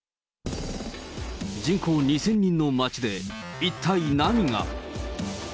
人口２０００人の町で、一体何が。